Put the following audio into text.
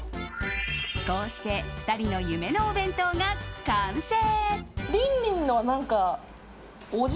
こうして２人の夢のお弁当が完成。